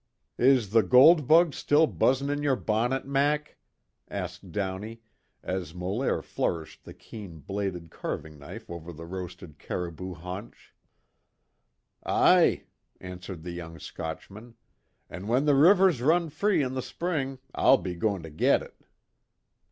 "Is the gold bug still buzzin' in your bonnet, Mac?" asked Downey, as Molaire flourished the keen bladed carving knife over the roasted caribou haunch. "Aye," answered the young Scotchman. "An' when the rivers run free in the spring, I'll be goin' to get it."